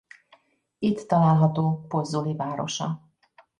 Itt található Pozzuoli városa.